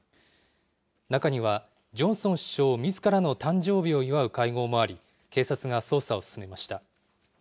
中にはジョンソン首相みずからの誕生日を祝う会合もあり、警察が捜査を進めました。